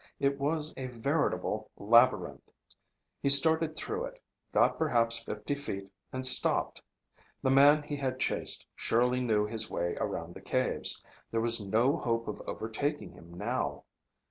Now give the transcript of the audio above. It was a veritable labyrinth. He started through it, got perhaps fifty feet, and stopped. The man he had chased surely knew his way around the caves. There was no hope of overtaking him now.